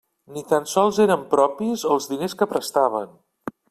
Ni tan sols eren propis els diners que prestaven.